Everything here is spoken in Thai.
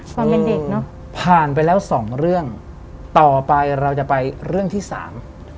ความเป็นเด็กเนอะผ่านไปแล้วสองเรื่องต่อไปเราจะไปเรื่องที่สาม